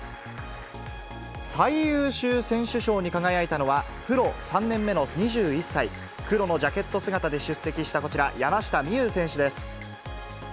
最優秀選手賞に輝いたのは、プロ３年目の２１歳、黒のジャケット姿で出席したこちら、山下美夢有選手です。